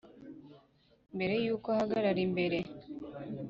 Mbere y uko ahagarara imbere